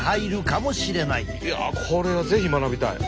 いやこれは是非学びたい。